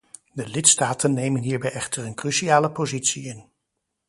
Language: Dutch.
De lidstaten nemen hierbij echter een cruciale positie in.